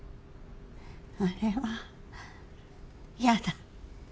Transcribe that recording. あれは嫌だ。